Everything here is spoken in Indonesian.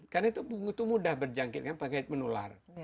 karena itu mudah berjangkit kan pakai menular